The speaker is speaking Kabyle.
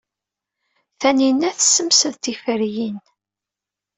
Tanina tessemsed tiferyin.